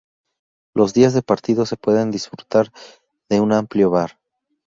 Los días de partido se puede disfrutar de un amplio bar.